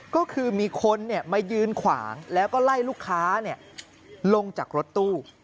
ก็คือมีคนมายืนขวางแล้วก็ไล่ลูกค้าลงจากรถตู้